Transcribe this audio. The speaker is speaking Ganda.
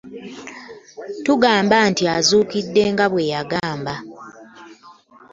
Tugamba nti azuukidde nga bweyagamba.